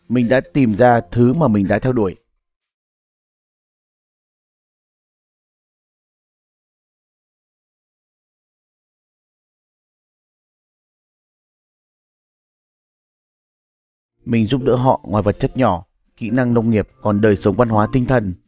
mình muốn lan tỏa điều đó đến mọi người xung quanh